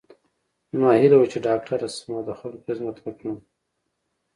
زما هیله وه چې ډاکټره شم او د خلکو خدمت وکړم